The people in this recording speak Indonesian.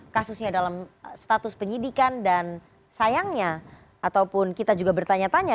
kasusnya dalam status penyidikan dan sayangnya ataupun kita juga bertanya tanya